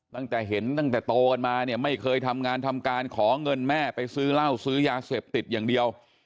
ตั้งแต่เห็นตั้งแต่โตกันมาเนี่ยไม่เคยทำงานทำการขอเงินแม่ไปซื้อเหล้าซื้อยาเสพติดอย่างเดียว